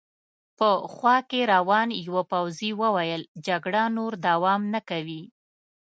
په خوا کې روان یوه پوځي وویل: جګړه نور دوام نه کوي.